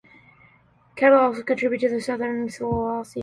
Cattle also contribute to the economy of Southern Sulawesi.